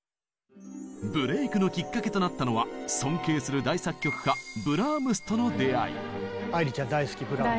ブレイクのきっかけとなったのは尊敬する大作曲家ブラームスとの出会い！